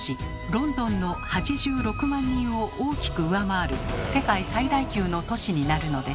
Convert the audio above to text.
ロンドンの８６万人を大きく上回る世界最大級の都市になるのです。